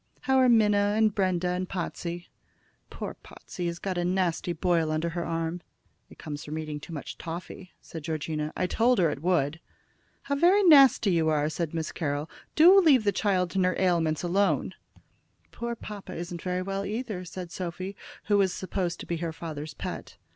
How are Minna, and Brenda, and Potsey?" "Poor Potsey has got a nasty boil under her arm." "It comes from eating too much toffy," said Georgina. "I told her it would." "How very nasty you are!" said Miss Carroll. "Do leave the child and her ailments alone!" "Poor papa isn't very well, either," said Sophy, who was supposed to be her father's pet.